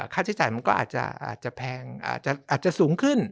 ค่าใช้จ่ายมันก็อาจจะแพงอาจจะสูงขึ้น